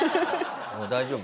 大丈夫？